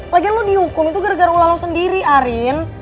lagian lo dihukum itu gara gara ulalo sendiri arin